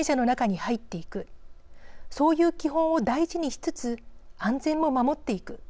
そういう基本を大事にしつつ安全も守っていく。